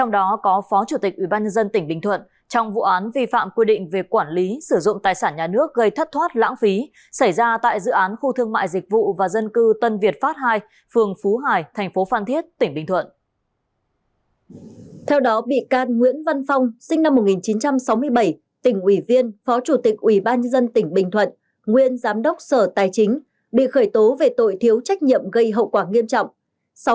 nguyễn thị thu phong sinh năm một nghìn chín trăm sáu mươi bảy tỉnh ủy viên phó chủ tịch ủy ban dân tỉnh bình thuận nguyên giám đốc sở tài chính bị khởi tố về tội thiếu trách nhiệm gây hậu quả nghiêm trọng